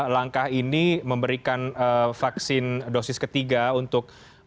langkah ini memberikan vaksin dosis ketiga untuk